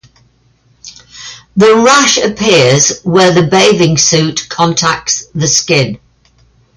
The rash appears where the bathing suit contacts the skin.